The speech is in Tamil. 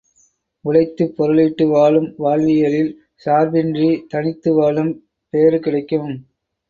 உழைத்துப் பொருளீட்டி வாழும் வாழ்வியலில், சார்பின்றித் தனித்து வாழும் பேறு கிடைக்கும்.